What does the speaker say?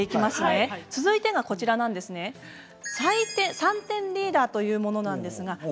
続いては３点リーダーというものです。